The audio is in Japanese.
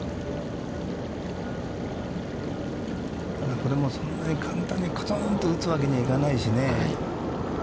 これもそんなに簡単にこつんと打つわけにはいかないしね。